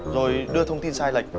rồi đưa thông tin sai lệch